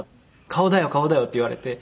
「顔だよ顔だよ」って言われて。